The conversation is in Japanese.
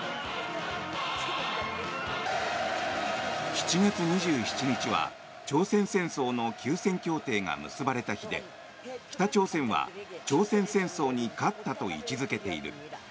７月２７日は朝鮮戦争の休戦協定が結ばれた日で北朝鮮は朝鮮戦争に勝ったと位置付けている。